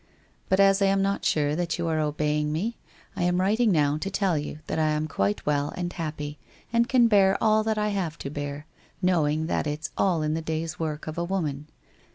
But as I am not sure that you are obeying me, I am writing now to tell you that I am quite well and happy, and can bear all that I have to bear, knowing that it's, all in the day's work of a woman.